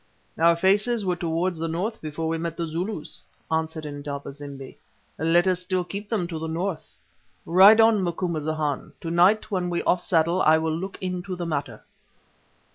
"Our faces were towards the north before we met the Zulus," answered Indaba zimbi; "let us still keep them to the north. Ride on, Macumazahn; to night when we off saddle I will look into the matter."